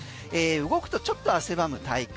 動くとちょっと汗ばむ体感。